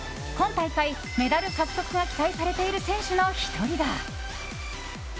今大会メダル獲得が期待されている選手の１人だ。